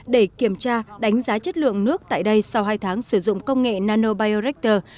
để kiểm tra đánh giá chất lượng nước tại đây sau hai tháng sử dụng công nghệ nanobiorector